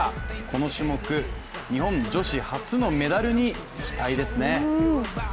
この種目、日本女子初のメダルに期待ですね。